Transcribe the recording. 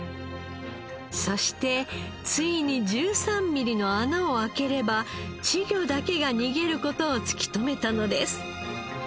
そしてついに１３ミリの穴を開ければ稚魚だけが逃げる事を突き止めたのです。